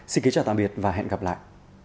xin kính chào tạm biệt và hẹn gặp lại